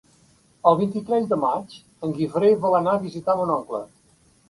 El vint-i-tres de maig en Guifré vol anar a visitar mon oncle.